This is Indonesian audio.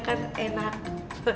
kan enak betul